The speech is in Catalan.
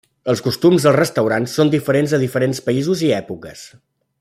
Els costums als restaurants són diferents a diferents països i èpoques.